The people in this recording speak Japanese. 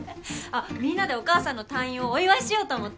みんなでお母さんの退院をお祝いしようと思って。